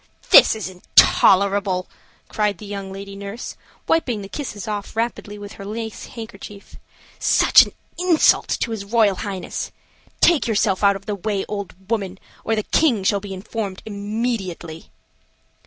"This is intolerable!" cried the young lady nurse, wiping the kisses off rapidly with her lace handkerchief. "Such an insult to his Royal Highness! Take yourself out of the way, old woman, or the King shall be informed immediately."